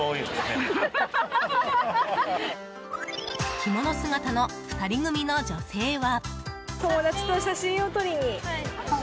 着物姿の２人組の女性は。